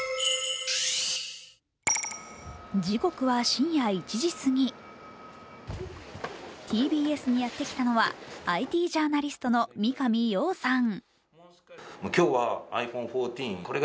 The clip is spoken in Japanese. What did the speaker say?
時刻は深夜１時すぎＴＢＳにやってきたのは、ＩＴジャーナリストの三上洋さん。